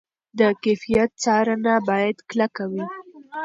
د کیفیت څارنه باید کلکه وي.